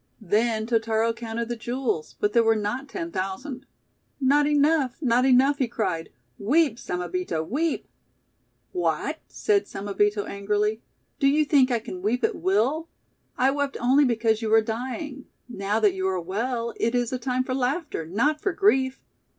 Then Totaro counted the jewels, but there were not ten thousand. " Not enough ! Not enough !" he cried. " Weep ! Samebito, weep!' "What!" said Samebito angrily; "do you think I can weep at will? I wept only because you were dying. Now that you are well, it is a time for laughter, not for grief."